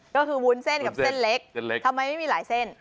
ก็คือวุ้นเส้นกับเส้นเล็กเส้นเล็กทำไมไม่มีหลายเส้น